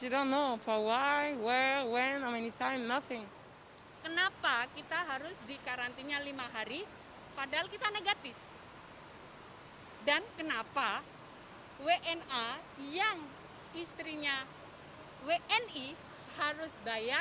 dan kenapa wna yang istrinya wni harus bayar yang sama seperti turis